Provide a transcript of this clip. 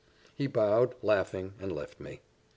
He bowed, laughing, and left me.